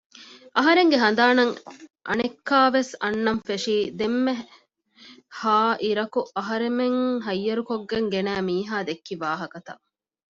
އަހަރެންގެ ހަނދާނަށް އަނެއްކާވެސް އަންނަން ފެށީ ދެންމެހާއިރަކު އަހަރެމެން ހައްޔަރުކޮށްގެން ގެނައި މީހާ ދެއްކި ވާހަކަތައް